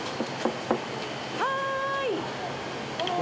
はい。